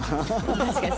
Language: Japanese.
確かに。